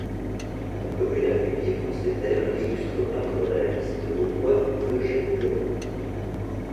La commune a vu vivre en ses terres l'illustre peintre réaliste vaudois Eugène Burnand.